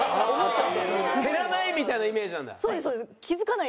減らないみたいなイメージなんだ。